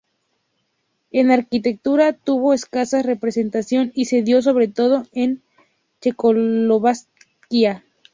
En arquitectura tuvo escasa representación y se dio sobre todo en Checoslovaquia.